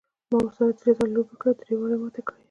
ما ورسره درې ځلې لوبه کړې او درې واړه یې مات کړی یم.